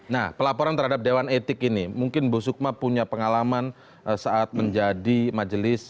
nah pelaporan terhadap dewan etik ini mungkin bu sukma punya pengalaman saat menjadi majelis